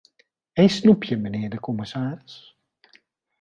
Een snoepje, mijnheer de commissaris.